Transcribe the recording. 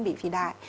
bị phì đại